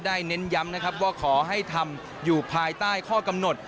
เน้นย้ำนะครับว่าขอให้ทำอยู่ภายใต้ข้อกำหนด